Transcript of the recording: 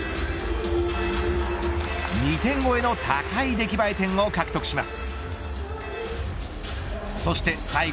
２点超えの高い出来栄え点を獲得します。